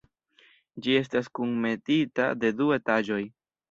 Ĝi estas kunmetita de du etaĝoj.